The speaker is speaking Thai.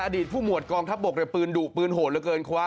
ผู้หมวดกองทัพบกในปืนดุปืนโหดเหลือเกินคว้า